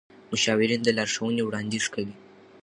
مشاورین د لارښوونې وړاندیز کوي.